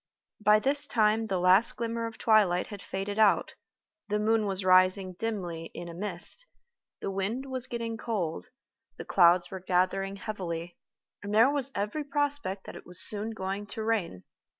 By this time the last glimmer of twilight had faded out, the moon was rising dimly in a mist, the wind was getting cold, the clouds were gathering heavily, and there was every prospect that it was soon going to rain!